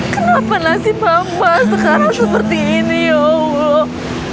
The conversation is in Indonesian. kenapa nasib papa sekarang seperti ini ya allah